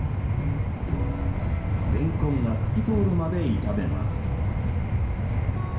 れんこんが透き通るまで炒めます。